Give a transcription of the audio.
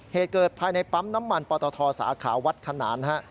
เหตุเกิดภายในปั๊มน้ำมันปตทสาขาวัดขนานฮะ